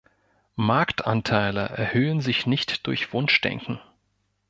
Marktanteile erhöhen sich nicht durch Wunschdenken.